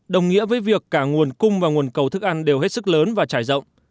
đồng nghĩa với việc cả nguồn cung và nguồn cầu thức ăn đều hết sức lớn và trải rộng